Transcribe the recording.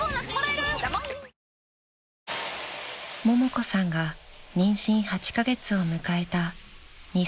［ももこさんが妊娠８カ月を迎えた